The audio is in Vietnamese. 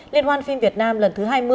liên hoan phim việt nam lần thứ hai mươi